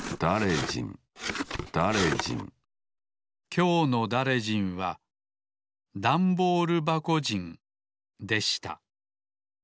きょうのだれじんはでした。